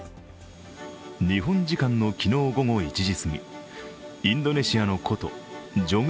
日本時間の昨日午後１時すぎインドネシアの古都ジョグ